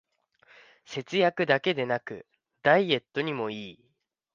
節約だけでなくダイエットにもいい